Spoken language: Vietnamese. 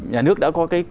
nhà nước đã có cái